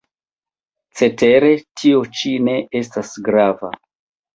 Cetere tio ĉi ne estas grava.